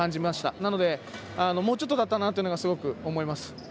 なので、もうちょっとだったなっていうのが、すごく思います。